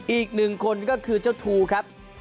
อีกหนึ่งคนก็คือเจ้าชูครับ